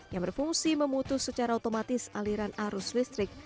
yang berfungsi memutus secara otomatis aliran arus listrik